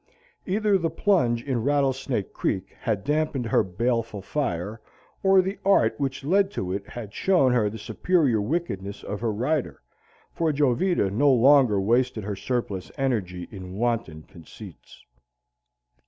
Either the plunge in Rattlesnake Creek had dampened her baleful fire, or the art which led to it had shown her the superior wickedness of her rider, for Jovita no longer wasted her surplus energy in wanton conceits.